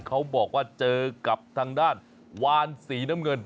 เขาบอกว่าเจอกับทางด้านวานสีน้ำเงิน